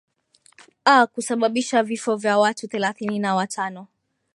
a kusababisha vifo vya watu thelathini na watano